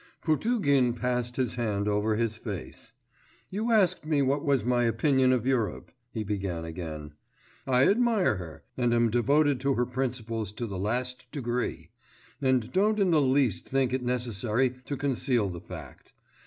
Potugin passed his hand over his face. 'You asked me what was my opinion of Europe,' he began again: 'I admire her, and am devoted to her principles to the last degree, and don't in the least think it necessary to conceal the fact.